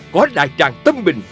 có đại tràng tâm bình